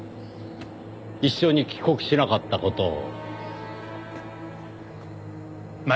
一緒に帰国しなかった事を。